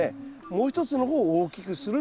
もう一つの方を大きくするという。